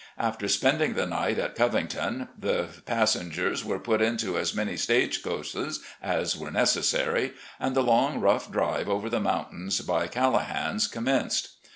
After spending the night at Covington, the passengers were put into as many stage coaches as were necessary, and the loi^, rough drive over the mountains by " Calla han's" commenced.